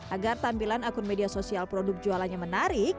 agar tampilan akun media sosial produk jualannya menarik